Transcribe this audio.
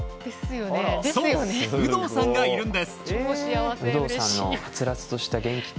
そう、有働さんがいるんです。